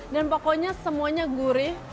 dan pokoknya semuanya gurih